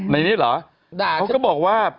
ในนี้เหรอฉันก็บอกว่า